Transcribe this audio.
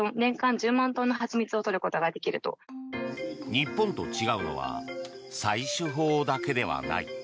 日本と違うのは採取法だけではない。